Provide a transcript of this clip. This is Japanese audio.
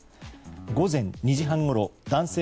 午前２時半ごろ男性